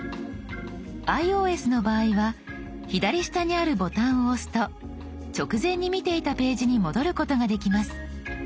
ｉＯＳの場合は左下にあるボタンを押すと直前に見ていたページに戻ることができます。